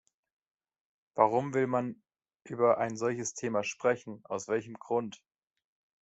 Warum will man über ein solches Thema sprechen, aus welchem Grund?